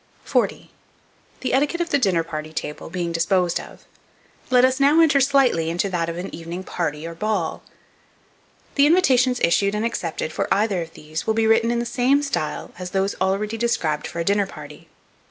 40. THE ETIQUETTE OF THE DINNER PARTY TABLE being disposed of, let us now enter slightly into that of an evening party or ball. The invitations issued and accepted for either of these, will be written in the same style as those already described for a dinner party.